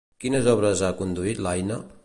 Quines obres ha conduït l'Aina?